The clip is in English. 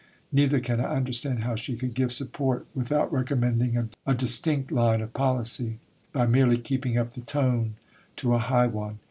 Neither can I understand how she could give "support" without recommending a distinct line of policy, by merely keeping up the tone to a high one.